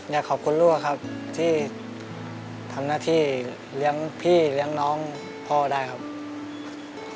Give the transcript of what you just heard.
อยากขอบคุณลูกครับที่ทำหน้าที่เลี้ยงพี่เลี้ยงน้องพ่อได้ครับ